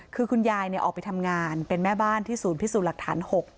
คือคุณยายออกไปทำงานเป็นแม่บ้านที่ศูนย์พิสูจน์หลักฐาน๖